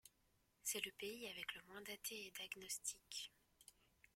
C'est le pays avec le moins d'athées et d'agnostiques.